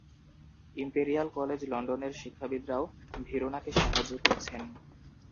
Imperial College লন্ডনের শিক্ষাবিদরাও ভেরোনাকে সাহায্য করছেন।